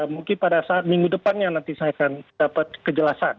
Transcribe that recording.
mungkin pada saat minggu depannya nanti saya akan dapat kejelasan